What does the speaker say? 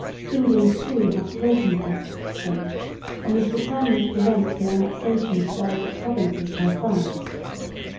England, too, had great interests at stake, and was determined to prevent the annexation of the Belgic provinces by France.